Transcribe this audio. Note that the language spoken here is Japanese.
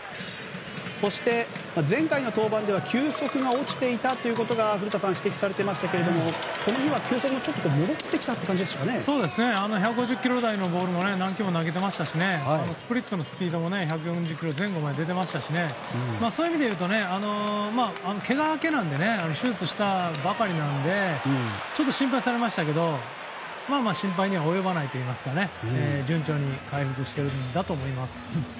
そして、前回の登板では球速が落ちていたということが古田さん、指摘されていましたがこの日は球速も１５０キロ台のボールも何球も投げていましたしスプリットの速度も１４０キロ前後まで出ていましたしそういう意味で言うとけが明けなので手術したばかりなのでちょっと心配されましたがまあまあ心配には及ばないといいますか順調に回復しているんだと思います。